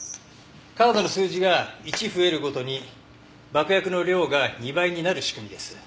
カードの数字が１増えるごとに爆薬の量が２倍になる仕組みです。